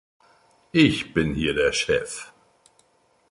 Ich bin hier der Chef.